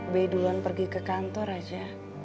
b duluan pergi ke kantor aja